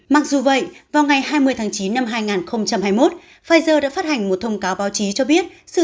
mặc dù vậy vào ngày hai mươi tháng chín năm hai nghìn hai mươi một pfizer đã phát hành một thông cáo báo chí cho biết sự